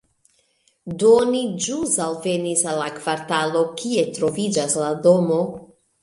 Do ni ĵus alvenis al la kvartalo, kie troviĝas la domo